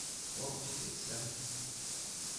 What did it say?